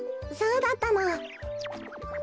そうだったの。